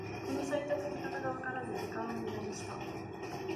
このサイトの見方がわからず時間をムダにした